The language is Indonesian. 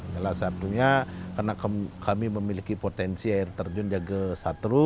salah satunya karena kami memiliki potensi air terjun jaga satru